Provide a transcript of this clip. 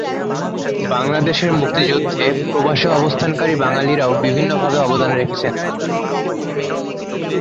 বাংলাদেশের মুক্তিযুদ্ধে প্রবাসে অবস্থানকারী বাঙালিরাও বিভিন্নভাবে অবদান রেখেছেন।